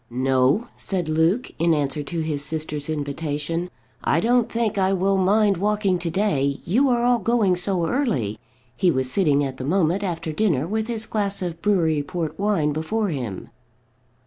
"No," said Luke, in answer to his sister's invitation; "I don't think I will mind walking to day: you are all going so early." He was sitting at the moment after dinner with his glass of brewery port wine before him.